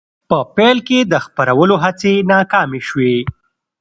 په پیل کې د خپرولو هڅې ناکامې شوې.